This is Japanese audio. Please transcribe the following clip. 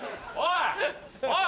おい！